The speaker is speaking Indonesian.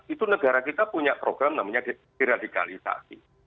itu negara kita punya program namanya deradikalisasi